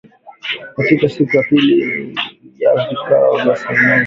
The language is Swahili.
Katika siku ya pili ya vikao vya seneti